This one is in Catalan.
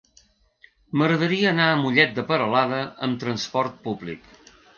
M'agradaria anar a Mollet de Peralada amb trasport públic.